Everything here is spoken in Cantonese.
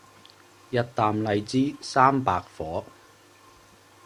日啖荔枝三百顆